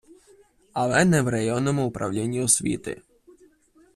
Але не в районному управлінні освіти.